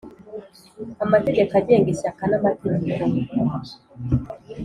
Amategeko agenga ishyaka n amategeko